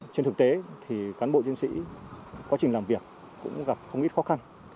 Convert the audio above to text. trên thực tế thì cán bộ chiến sĩ quá trình làm việc cũng gặp không ít khó khăn